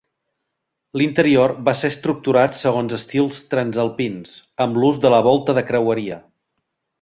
L'interior va ser estructurat segons estils transalpins, amb l'ús de la volta de creueria.